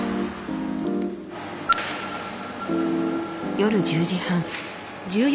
夜１０時半。